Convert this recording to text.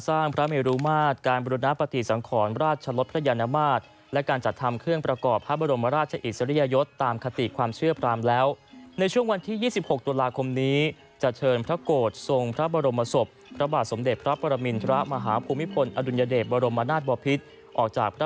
สมพระเกียรตามโบราณราชประเพณีทุกประการ